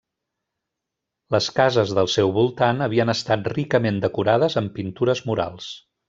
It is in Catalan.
Les cases del seu voltant havien estat ricament decorades amb pintures murals.